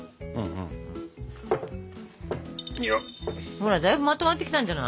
ほらだいぶまとまってきたんじゃない？